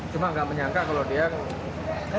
cuma nggak menyangka kalau dia